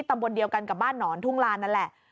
ตำบลเดียวกันกับบ้านหนอนทุ่งลานนั่นแหละ